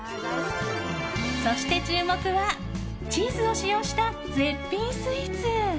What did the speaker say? そして、注目はチーズを使用した絶品スイーツ。